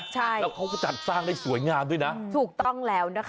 ใช่ใช่แล้วพวกเขาก็จัดสร้างได้สวยงามด้วยนะ